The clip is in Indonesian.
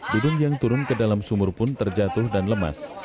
dudung yang turun ke dalam sumur pun terjatuh dan lemas